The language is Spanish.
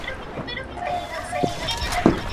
Luego se incorporó a Spezia definitivamente.